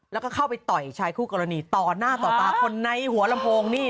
แล้วก็เข้าไปต่อยชายคู่กรณีต่อหน้าต่อตาคนในหัวลำโพงนี่